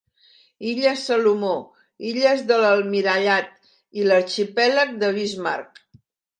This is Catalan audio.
Illes Salomó, Illes de l'Almirallat i l'Arxipèlag de Bismarck.